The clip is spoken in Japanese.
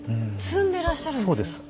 積んでらっしゃるんですか。